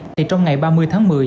trong ngày ba mươi tháng một mươi